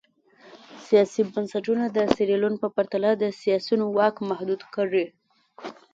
سیاسي بنسټونه د سیریلیون په پرتله د سیاسیونو واک محدود کړي.